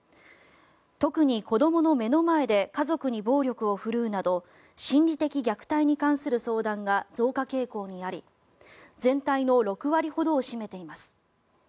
特に、子どもの目の前で家族に暴力を振るうなど心理的虐待に関する相談が増加傾向にあり全体の６割ほどを占めています。